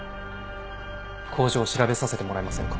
工場を調べさせてもらえませんか。